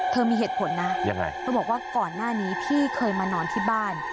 มีเหตุผลนะยังไงเธอบอกว่าก่อนหน้านี้พี่เคยมานอนที่บ้าน